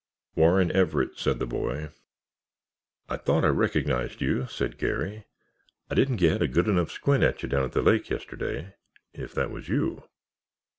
"Warren Everett," said the boy. "I thought I recognized you," said Garry. "I didn't get a good enough squint at you down the lake yesterday—if that was you."